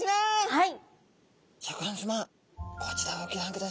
はい。